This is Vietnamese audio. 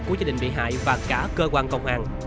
của gia đình bị hại và cả cơ quan công an